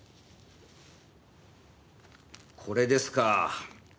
これですか。